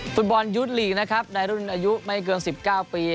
ฟุตบอลยุทธ์ลีกนะครับในรุ่นอายุไม่เกิน๑๙ปี